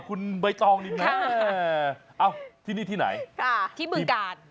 คุณใบตองนี่นะที่นี่ที่ไหนที่บึงกาล